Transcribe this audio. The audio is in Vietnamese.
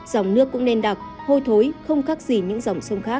dòng nước cũng đen đặc hôi thối không khác gì những dòng sông khác